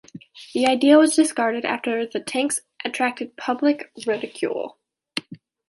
The idea was discarded after the tanks attracted public ridicule.